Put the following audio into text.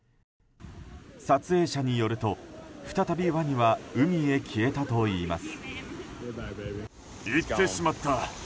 撮影者によると、再びワニは海へ消えたといいます。